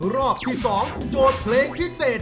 รอบที่๒โจทย์เพลงพิเศษ